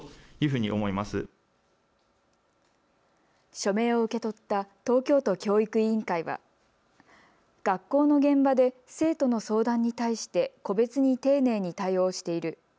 署名を受け取った東京都教育委員会は学校の現場で生徒の相談に対して個別に丁寧に対応している。